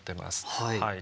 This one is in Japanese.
はい。